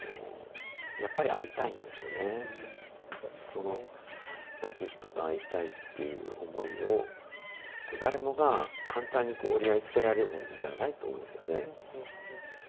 その亡き人と会いたいっていう思いを誰もが簡単にこう折り合いつけられるものじゃないと思うんですよね。